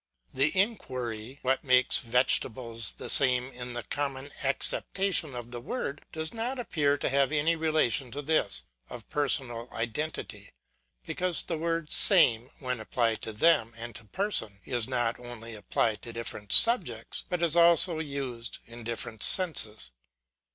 The inquiry, what makes vegetables the same in the common acceptation of the word, does not appear to have any relation to this of personal identity : because, the word same, when applied to them and to person, is not only applied to different subjects, but it is also used in different senses.